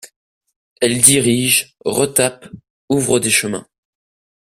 Elle dirige, retape, ouvre des chemins.